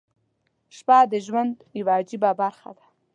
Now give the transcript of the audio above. • شپه د ژوند یوه عجیبه برخه ده.